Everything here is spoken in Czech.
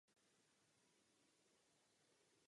Je ovlivněna obsahem půdních částic a půdní vody.